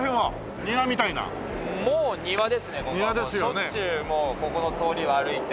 しょっちゅうもうここの通りは歩いて。